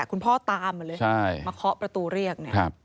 คุณพ่อตามเลยมาเคาะประตูเรียก